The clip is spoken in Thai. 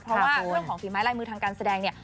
เพราะว่าเรื่องของฝีไม้ลายมือทางการแสดงเนี่ย